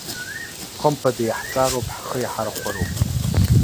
Хымԥада иаҳҵароуп, ҳхы иаҳархәароуп.